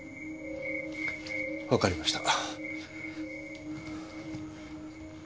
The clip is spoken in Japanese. わかりました。